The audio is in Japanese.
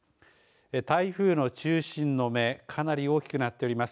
台風の中心の目かなり大きくなっております。